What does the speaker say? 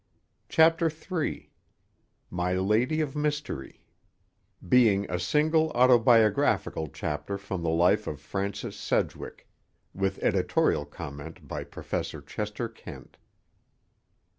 CHAPTER III—MY LADY OF MYSTERY _Being a single autobiographical chapter from the life of Francis Sedgwick, with editorial comment by Professor Chester Kent.